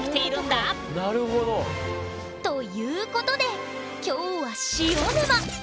なるほど。ということできょうは「塩沼」。